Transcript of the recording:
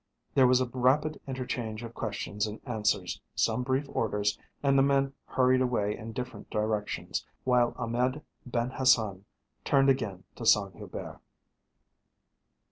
There was a rapid interchange of questions and answers, some brief orders, and the men hurried away in different directions, while Ahmed Ben Hassan turned again to Saint Hubert.